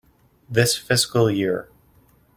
This fiscal year.